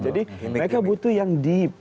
jadi mereka butuh yang deep